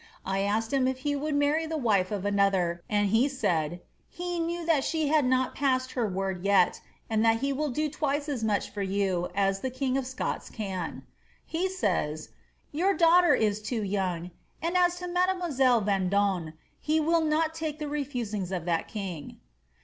J asked him if he would many the wife of another, and he said, ^ he knew that she had not passed her word yet, and that he will do twice as much for yon as the king of Scots can.' He says, *^ Your daughter is too young, and as to mademoiselle Vendome, he will not take the refusings of that king.'"